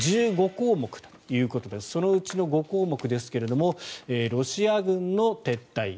１５項目ということでそのうちの５項目ですがロシア軍の撤退